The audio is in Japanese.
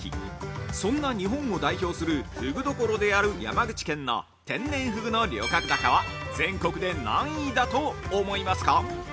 そんな日本を代表するふぐどころである山口県の天然ふぐの漁獲高は全国で何位だと思いますか？